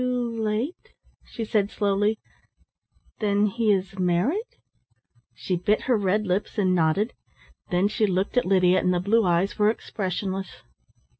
"Too late," she said slowly, "then he is married?" She bit her red lips and nodded, then she looked at Lydia, and the blue eyes were expressionless.